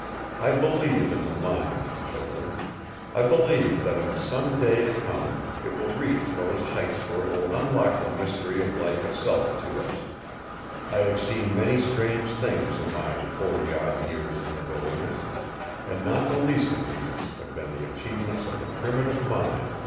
I believe in the mind, children. I believe that in some day to come it will reach those heights where it will unlock the mystery of life itself to us. I have seen many strange things in my forty odd years in the wilderness, and not the least of these have been the achievements of the primitive mind.